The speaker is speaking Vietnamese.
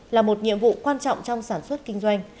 là một nhiệm vụ quan trọng trong sản xuất kinh doanh